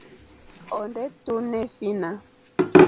Onde tunefina.